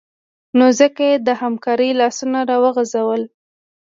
نو ځکه یې د همکارۍ لاسونه راوغځول